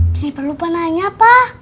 jeniper lupa nanya pak